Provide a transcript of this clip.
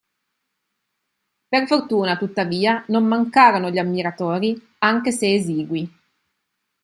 Per fortuna, tuttavia, non mancarono gli ammiratori, anche se esigui.